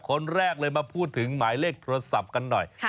คนแรกเลยมาพูดถึงหมายเลขโทรศัพท์กันหน่อย